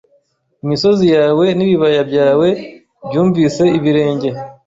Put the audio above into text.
Imisozi yawe nibibaya byawe byunvise ibirenge